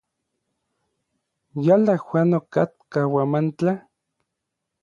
¿Yala Juan okatka Huamantla?